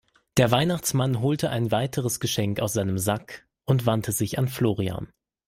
Der Weihnachtsmann holte ein weiteres Geschenk aus seinem Sack und wandte sich an Florian.